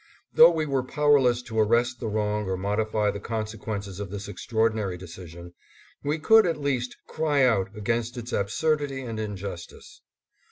Though we were powerless to arrest the wrong or modify the consequences of this extraordinary decis ion, we could, at least, cry out against its absurdity and injustice.